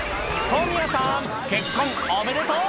小宮さん、結婚おめでとう！